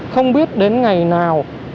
không biết đến ngày nào